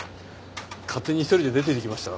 勝手に１人で出ていきましたから。